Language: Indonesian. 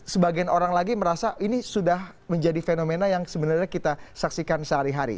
sebagian orang lagi merasa ini sudah menjadi fenomena yang sebenarnya kita saksikan sehari hari